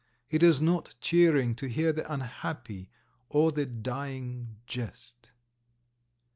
It is not cheering to hear the unhappy or the dying jest.